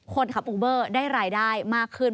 คนขับอูเบอร์ได้รายได้มากขึ้น